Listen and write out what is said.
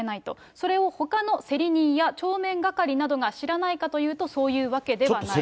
それをほかの競り人や帳面係などが知らないかというと、そういうわけではないと。